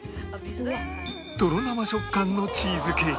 とろ生食感のチーズケーキに